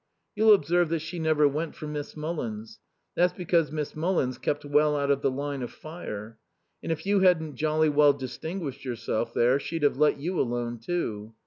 You'll observe that she never went for Miss Mullins. That's because Miss Mullins kept well out of the line of fire. And if you hadn't jolly well distinguished yourself there she'd have let you alone, too.